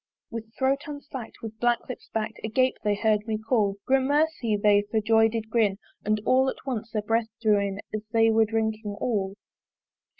With throat unslack'd, with black lips bak'd Agape they hear'd me call: Gramercy! they for joy did grin And all at once their breath drew in As they were drinking all.